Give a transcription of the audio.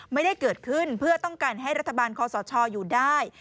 ไม่ได้เกิดขึ้นเพื่อต้องการให้รัฐบาลคอสชอยู่ได้